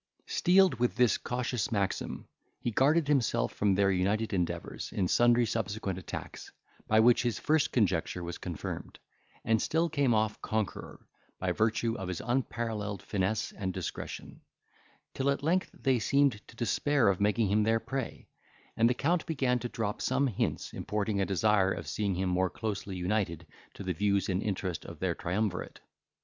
Steeled with this cautious maxim, he guarded himself from their united endeavours, in sundry subsequent attacks, by which his first conjecture was confirmed, and still came off conqueror, by virtue of his unparalleled finesse and discretion; till at length they seemed to despair of making him their prey, and the count began to drop some hints, importing a desire of seeing him more closely united to the views and interest of their triumvirate.